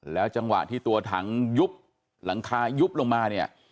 แล้วจังหวะที่ตัวถังยุบหลังคายุบลงมา